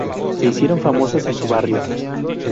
Se hicieron famosas en su barrio.